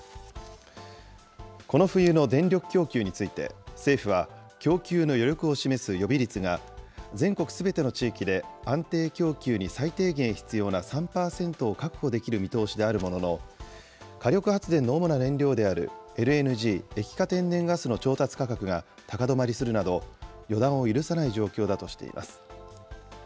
この冬の電力供給について、政府は、供給の余力を示す予備率が、全国すべての地域で、安定供給に最低限必要な３％を確保できる見通しであるものの、火力発電の主な燃料であるＬＮＧ・液化天然ガスの調達価格が高止まりするなど、予断を許さない状況だとしています。